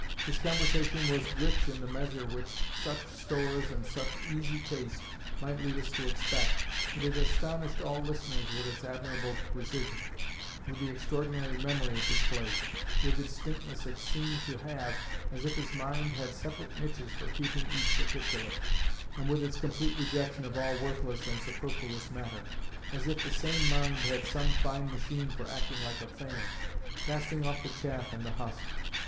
His conversation was rich in the measure which such stores and such easy taste might lead us to expect, and it astonished all listeners with its admirable precision, with the extraordinary memory it displayed, with the distinctness it seemed to have, as if his mind had separate niches for keeping each particular, and with its complete rejection of all worthless and superfluous matter, as if the same mind had some fine machine for acting like a fan, casting off the chaff and the husk.